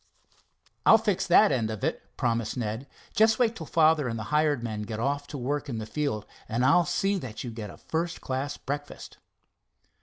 "I'll fix that end of it," promised Ned. "Just wait till father and the hired men get off to work in the field, and I'll see that you get a first class breakfast."